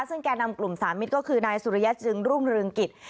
ซึ่งแก่นำกลุ่มสามิตรก็คือนายสุริยะจึงรุ่งเรืองกิจ